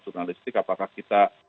journalistik apakah kita